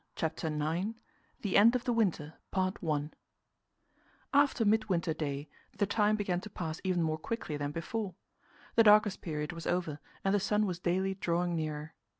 CHAPTER IX The End of the Winter After Midwinter Day the time began to pass even more quickly than before. The darkest period was over, and the sun was daily drawing nearer.